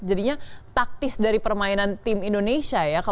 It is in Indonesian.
jadinya taktis dari permainan tim indonesia ya